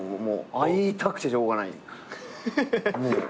会いたくてしょうがない。ハハハ。